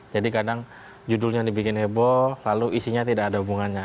jadi kadang judulnya dibikin heboh lalu isinya tidak ada hubungannya